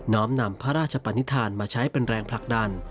้อมนำพระราชปนิษฐานมาใช้เป็นแรงผลักดัน